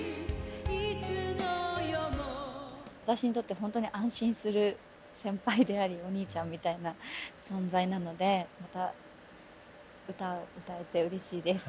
私にとってほんとに安心する先輩でありおにいちゃんみたいな存在なので歌を歌えてうれしいです。